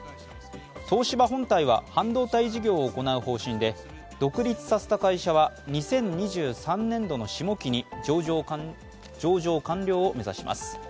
東芝本体は半導体事業を行う方針で、独立させた会社は２０２３年度の下期に上場完了を目指します。